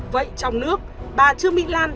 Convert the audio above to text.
vậy trong nước bà trương mỹ lan